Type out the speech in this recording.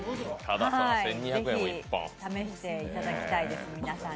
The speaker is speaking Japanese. ぜひ試していただきたいです、皆さんに。